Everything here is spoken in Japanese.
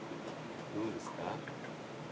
どうですか？